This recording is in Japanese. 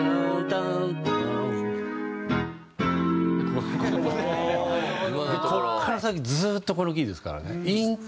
ここから先ずっとこのキーですからね。